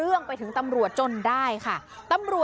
สุดทนแล้วกับเพื่อนบ้านรายนี้ที่อยู่ข้างกัน